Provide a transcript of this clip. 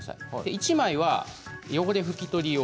１枚は汚れふき取り用。